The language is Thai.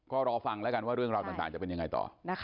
ก็รอฟังแล้วกันว่าเรื่องราวต่างจะเป็นยังไงต่อ